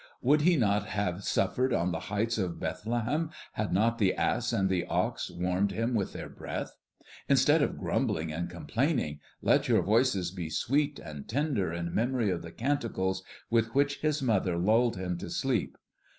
Would He not have suffered on the heights of Bethlehem had not the ass and the ox warmed Him with their breath? Instead of grumbling and complaining, let your voices be sweet and tender in memory of the canticles with which His mother lulled Him to sleep.